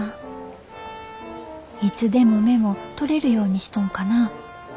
いつでもメモ取れるようにしとんかな。